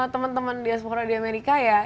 teman teman diaspora di amerika ya